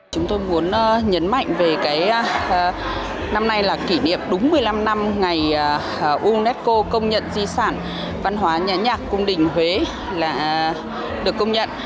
chúng tôi muốn nhấn mạnh về năm nay là kỷ niệm đúng một mươi năm năm ngày unesco công nhận di sản văn hóa nhà nhạc cung đình huế là được công nhận